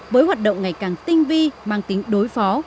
với hoạt động ngày càng tinh vi mang tính đối phó